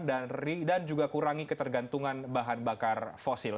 dan juga kurangi ketergantungan bahan bakar fosil